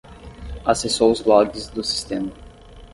Acessou os logs do sistema.